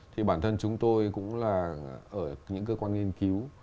thì bản thân chúng tôi cũng là ở những cơ quan nghiên cứu